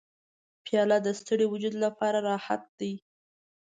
پیاله د ستړي وجود لپاره راحت دی.